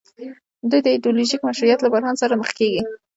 دوی د ایډیولوژیک مشروعیت له بحران سره مخ کیږي.